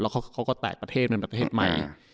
เขาก็แตะประเทศเป็นประเทศใหม่